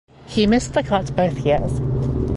He missed the cut both years.